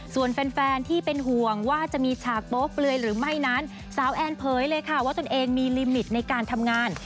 ส่วนแฟนที่เป็นห่วงว่าจะมีฉากโป๊เปลือยหรือไม่นั้นสาวแอนเผยเลยค่ะว่าตนเองมีลิมิตในการทำงาน